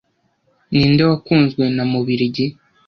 Ninde wakunzwe na mubirigi